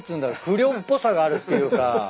不良っぽさがあるっていうか。